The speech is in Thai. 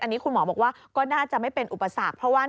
อันนี้คุณหมอบอกว่าก็น่าจะไม่เป็นอุปสรรคเพราะว่า